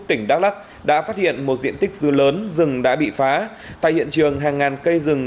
tỉnh đắk lắc đã phát hiện một diện tích dưa lớn rừng đã bị phá tại hiện trường hàng ngàn cây rừng